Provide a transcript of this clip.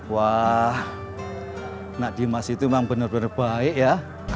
wah nak dimas itu memang benar benar baik ya